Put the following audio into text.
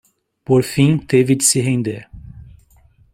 Por fim, teve de se render